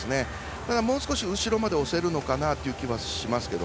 ただ、もう少し後ろまで押せるのかなという気もしますけど。